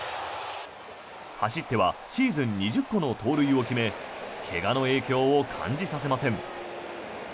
走ってはシーズン２０個の盗塁を決め怪我の影響を感じさせません。